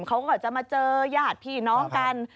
เขาก็จะมาเจอญาติพี่น้องกัน